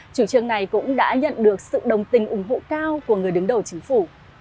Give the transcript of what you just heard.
chủ trương này cũng đã nhận được sự đồng tình ủng hộ cao của người đứng đầu chính phủ